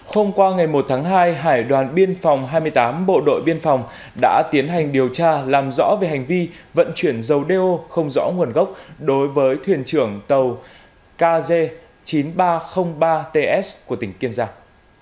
hôm qua ngày một tháng hai hải đoàn biên phòng hai mươi tám bộ đội biên phòng đã tiến hành điều tra làm rõ về hành vi vận chuyển dầu đeo không rõ nguồn gốc đối với thuyền trưởng tàu kz chín nghìn ba trăm linh ba ts của tỉnh kiên giang